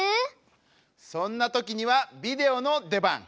そんなときにはビデオのでばん。